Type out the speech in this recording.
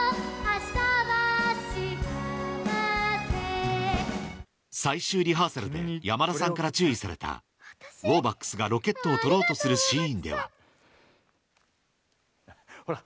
明日は幸せ最終リハーサルで山田さんから注意されたウォーバックスがロケットを取ろうとするシーンではほら